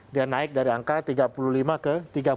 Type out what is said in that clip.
dia naik dari angka tiga puluh lima ke tiga puluh satu